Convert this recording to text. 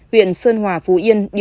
huyện sơn hòa phú yên